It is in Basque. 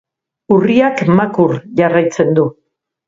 Urriak makur jarraitzen du.